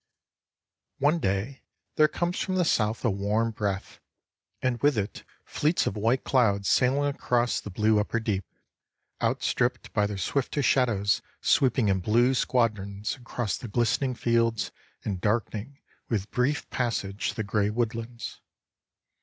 One day there comes from the south a warm breath, and with it fleets of white clouds sailing across the blue upper deep, outstripped by their swifter shadows sweeping in blue squadrons along the glistening fields and darkening with brief passage the gray woodlands.